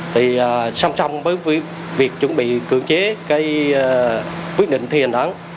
thì xong xong với việc chuẩn bị cưỡng chế quyết định thi hành án